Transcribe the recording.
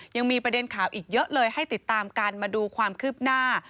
ยังมีประเด็นข่าวอีกเยอะเลยให้ติดตามกันมาดูความคืบหน้า